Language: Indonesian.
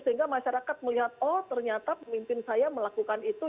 sehingga masyarakat melihat oh ternyata pemimpin saya melakukan itu